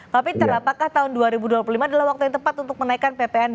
pak peter apakah tahun dua ribu dua puluh lima adalah waktu yang tepat untuk menaikkan ppn